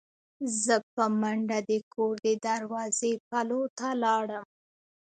زه په منډه د کور د دروازې پلو ته لاړم.